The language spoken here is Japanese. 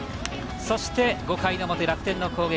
そして、５回の表、楽天の攻撃。